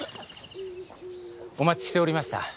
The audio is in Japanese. お待ちしておりました